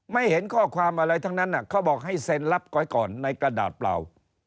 เห็นข้อความอะไรทั้งนั้นเขาบอกให้เซ็นรับไว้ก่อนในกระดาษเปล่า